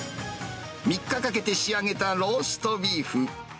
３日かけて仕上げたローストビーフ。